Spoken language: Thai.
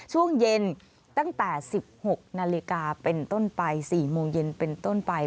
ช่วงเย็นตั้งแต่๑๖นาฬิกาเป็นต้นไป๔โมงเย็นเป็นต้นไป